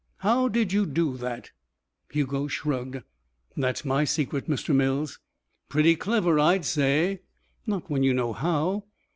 "How did you do that?" Hugo shrugged. "That's my secret, Mr. Mills." "Pretty clever, I'd say." "Not when you know how."